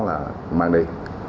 là ban đi